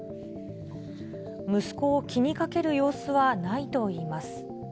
息子を気にかける様子はないといいます。